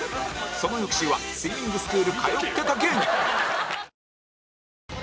その翌週はスイミングスクール通ってた芸人